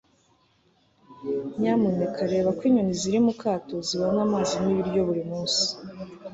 nyamuneka reba ko inyoni ziri mu kato zibona amazi n'ibiryo buri munsi